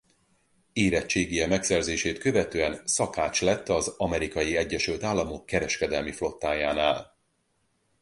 Érettségije megszerzését követően szakács lett az Amerikai Egyesült Államok kereskedelmi flottájánál.